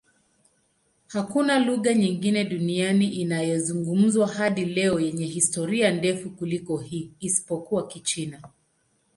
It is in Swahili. Hakuna lugha nyingine duniani inayozungumzwa hadi leo yenye historia ndefu kuliko hii, isipokuwa Kichina.